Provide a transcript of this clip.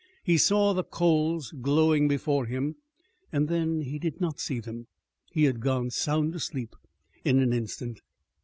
He saw the coals glowing before him, and then he did not see them. He had gone sound asleep in an instant.